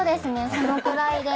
そのくらいで。